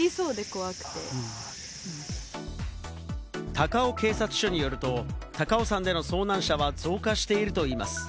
高尾警察署によると、高尾山での遭難者は増加しているといいます。